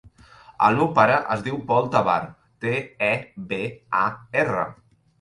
El meu pare es diu Pol Tebar: te, e, be, a, erra.